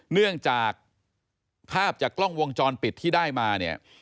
เนื่องจากภาพจากกล้องวงจรปิดที่ได้มาเนี่ย